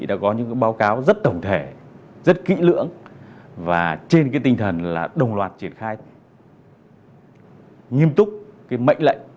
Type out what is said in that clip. đã có những báo cáo rất tổng thể rất kỹ lưỡng và trên tinh thần đồng loạt triển khai